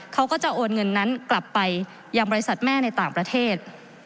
เขาก็จะโอนเงินนั้นกลับไปยังบริษัทแม่ในต่างประเทศ